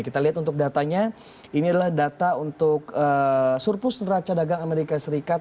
kita lihat untuk datanya ini adalah data untuk surplus neraca dagang amerika serikat